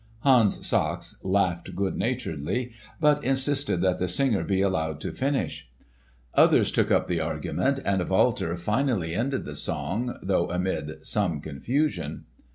Hans Sachs laughed good naturedly, but insisted that the singer be allowed to finish. Others took up the argument, and Walter finally ended the song, though amid some confusion.